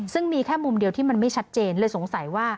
ซึ่งมีแค่มุมเดียวที่มันไม่ชัดเจนเลยสงสัยว่า